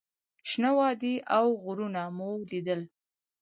شنه وادي او غرونه مو لیدل.